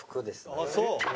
ああそう？